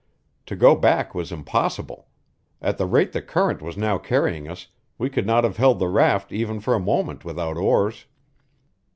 To go back was impossible; at the rate the current was now carrying us we could not have held the raft even for a moment without oars.